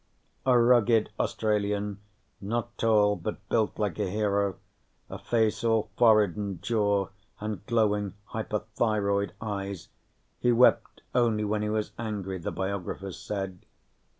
A rugged Australian, not tall but built like a hero, a face all forehead and jaw and glowing hyperthyroid eyes. He wept only when he was angry, the biographers said.